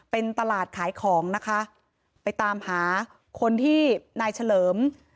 เป็นตลาดขายของนะคะไปตามหาคนที่นายเฉลิม